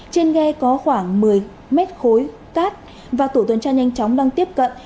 trên ghe có khoảng một mươi mét khối cát và tổ tuần tra nhanh chóng đang tiếp cận